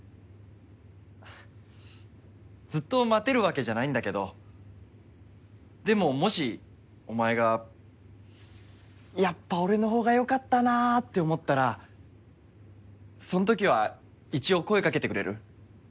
ずっと待てるわけじゃないんだけどでももしお前がやっぱ俺の方がよかったなぁって思ったらそんときは一応声掛けてくれる？